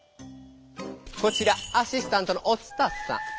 こちらアシスタントのお伝さん。